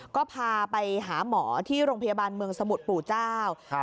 ก็พาไปหาหมอที่โรงพยาบาลเมืองสมุทรปู่เจ้า